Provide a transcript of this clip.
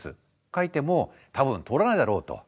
書いても多分通らないだろうと。